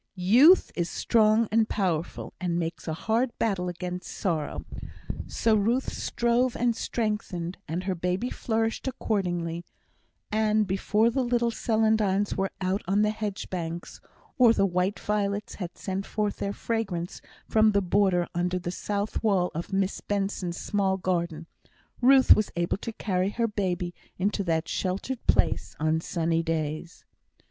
Youth is strong and powerful, and makes a hard battle against sorrow. So Ruth strove and strengthened, and her baby flourished accordingly; and before the little celandines were out on the hedge banks, or the white violets had sent forth their fragrance from the border under the south wall of Miss Benson's small garden, Ruth was able to carry her baby into that sheltered place on sunny days.